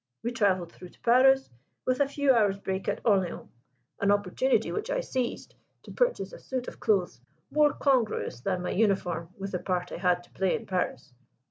We travelled through to Paris, with a few hours' break at Orleans an opportunity which I seized to purchase a suit of clothes more congruous than my uniform with the part I had to play in Paris.